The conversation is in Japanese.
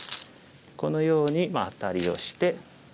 このようにアタリをして。